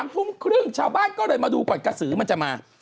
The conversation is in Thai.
ทุ่มครึ่งชาวบ้านก็เลยมาดูก่อนกระสือมันจะมา